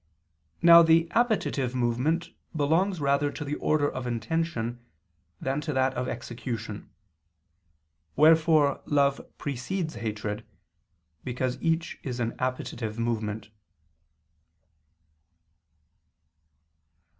Now the appetitive movement belongs rather to the order of intention than to that of execution. Wherefore love precedes hatred: because each is an appetitive movement.